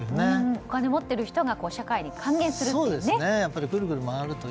お金を持っている人が社会に還元するという。